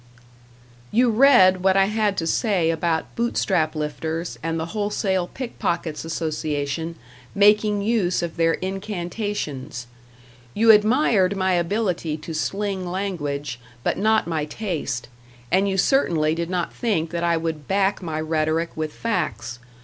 You read what I had to say about Bootstrap lifters, and the Wholesale Pickpockets' Association making use of their incantations. You admired my ability to sling language, but not my taste; and you certainly did not think that I would back my rhetoric with facts.